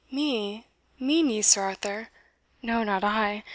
"Me, mean ye, Sir Arthur? No, not I!